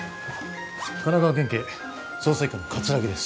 神奈川県警捜査一課の葛城です